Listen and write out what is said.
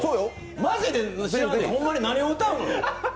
マジで知らんで、ホンマに何を歌うの？